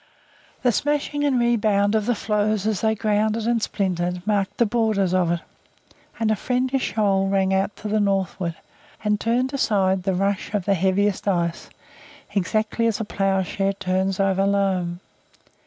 The smashing and rebound of the floes as they grounded and splintered marked the borders of it, and a friendly shoal ran out to the northward, and turned aside the rush of the heaviest ice, exactly as a ploughshare turns over loam.